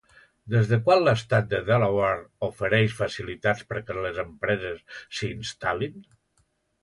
Des de quan l'estat de Delaware ofereix facilitats perquè les empreses s'hi instal·lin?